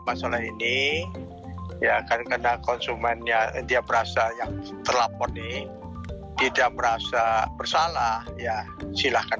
masalah ini ya akan kena konsumennya dia berasa yang telah poni tidak merasa bersalah ya silahkan